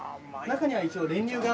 中には一応練乳が。